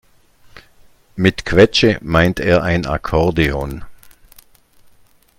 Mit Quetsche meint er ein Akkordeon.